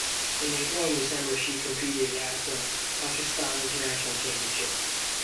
In April and December she competed at the Pakistan International Championships.